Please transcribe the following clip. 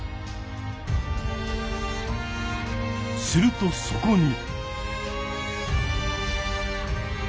するとそこに。